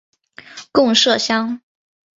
贡麝香。